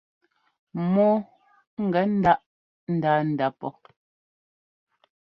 Mɔɔ gɛ ńdáʼ ńdanda pɔ́.